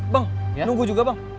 bang nunggu juga bang